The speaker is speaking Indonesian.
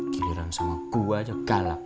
giliran sama gue aja galak